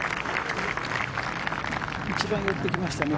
一番寄ってきましたね